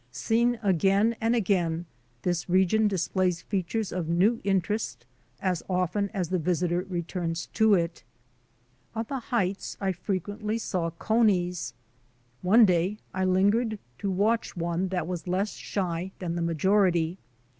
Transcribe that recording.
Seen again and again, this re gion displays features of new interest as often as the visitor returns to it. On the heights I frequently saw conies. One day I lingered to watch one that was less shy than the majority.